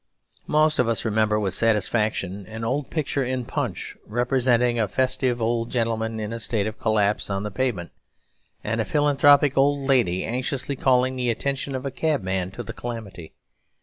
Most of us remember with satisfaction an old picture in Punch, representing a festive old gentleman in a state of collapse on the pavement, and a philanthropic old lady anxiously calling the attention of a cabman to the calamity.